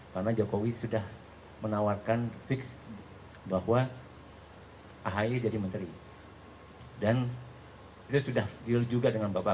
karena jokowi sudah menawarkan fix bahwa ahaya jadi menteri dan itu sudah juga dengan bapak